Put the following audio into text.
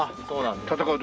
そうなんだ。